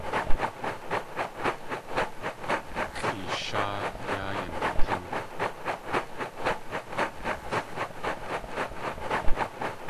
Xʼeesháa yaa anatán.